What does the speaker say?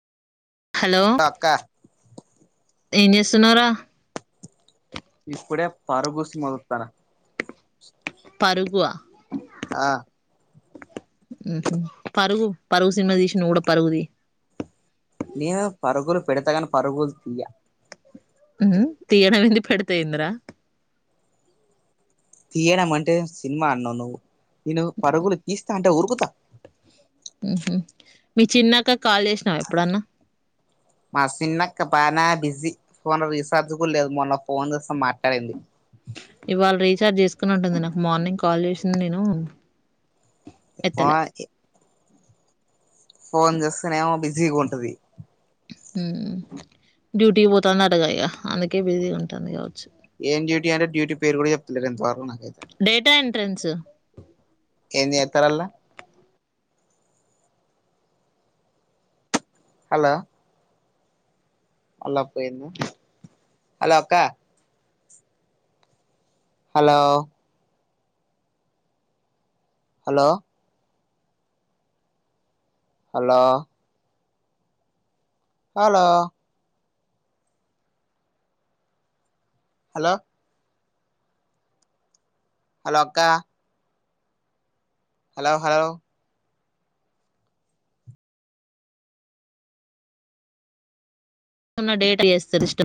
hello అక్క ఏం చేస్తున్నావుర ఇప్పుడే పరుగు సినిమా సుత్తన పరుగు ఆ ఆ మ్ హు పరుగు పరుగు సినిమా తీసి నువ్ కూడా పరుగుదియ్ నేను పరుగులు పెడుతాగాని పరుగులు తీయ్య మ్ తీయ్యడం ఏందీ పెడితెఎందిర తీయడం అంటే సినిమా అన్నావు నువ్వు నేను పరుగులు తీస్తా అంటే ఉరుకుతా మ్ హు మీ చిన్నక్కకు కాల్ చేసినావ ఎప్పుడన్నా మా చిన్నక్క బానా బిజీ ఫోన్ రీచార్జ్ కూడా లేదు మొన్న ఫోన్ చేస్తమాట్లాడింది ఇవాళ రీఛార్జ్ చేసుకుని ఉంటుంది మార్నింగ్ కాల్ చేసింది నేను ఎత్తలే ఫోన్ చేస్తేనేమో బిజీగుంటది హుమ్ డ్యూటీకి పోతందంట కదా ఇగ అందుకే బిజీ ఉంటుంది కావచ్చు ఏం డ్యూటీ అంటే డ్యూటీ పేరుచెప్తలేదు ఇంతవరకు నాకైతే డేటా ఎంట్రెన్స్ ఏంది ఎత్తరల్ల హలో మల్లపోయింది హలో అక్క hello hello hello hello hello hello అక్కా హలో హలో [unintelligible] ఇష్టం